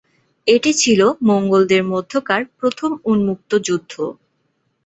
এটি ছিল মঙ্গোলদের মধ্যকার প্রথম উন্মুক্ত যুদ্ধ।